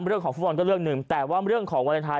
เรื่องของฟุตบอลก็เรื่องหนึ่งแต่ว่าเรื่องของวาเลนไทย